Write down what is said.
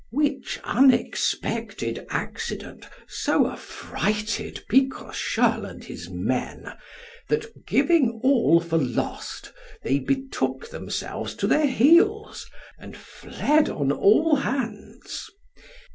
Which unexpected accident so affrighted Picrochole and his men, that, giving all for lost, they betook themselves to their heels, and fled on all hands.